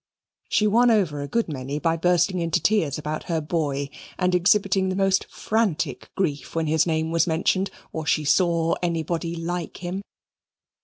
She won over a good many by bursting into tears about her boy and exhibiting the most frantic grief when his name was mentioned, or she saw anybody like him.